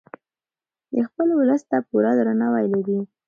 دی خپل ولس ته پوره درناوی لري.